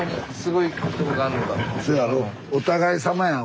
お互いさまやん。